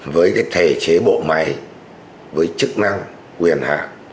với cái thể chế bộ máy với chức năng quyền hạn